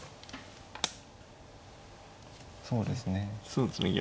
そうですね。